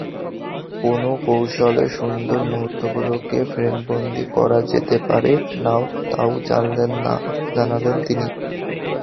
কোন কৌশলে সুন্দর মুহূর্তগুলোকে ফ্রেমবন্দী করা যেতে পারে, তা-ও জানালেন তিনি।